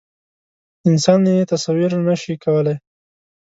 انسان یې تصویر نه شي کولی.